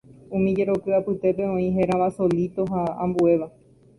Umi jeroky apytépe oĩ pe hérava “solíto” ha ambuéva.